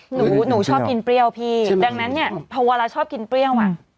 หนูหนูชอบกินเปรี้ยวพี่ดังนั้นเนี่ยพอเวลาชอบกินเปรี้ยวอ่ะ